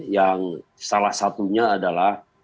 yang salah satunya adalah